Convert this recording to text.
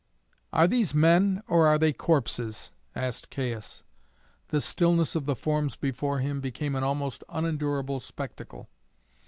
"Are these men, or are they corpses?" asked Caius. The stillness of the forms before him became an almost unendurable spectacle.